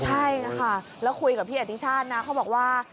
ใช่แล้วคุยกับพี่อธิชาเขาบอกว่า